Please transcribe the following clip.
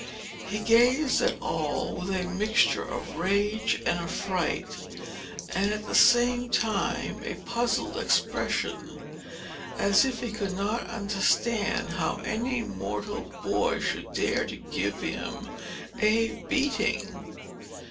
He gazed at Noll with a mixture of rage and affright, and at the same time a puzzled expression, as if he could not understand how any mortal boy should dare to give him a beating.